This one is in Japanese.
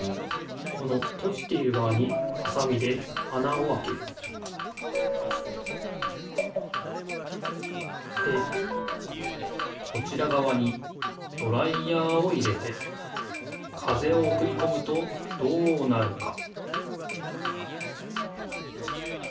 このとじているがわにはさみであなをあけるでこちらがわにドライヤーを入れて風をおくりこむとどうなるか？